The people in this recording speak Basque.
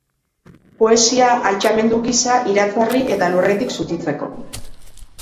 Poesia altxamendu gisa, iratzarri eta lurretik zutitzeko.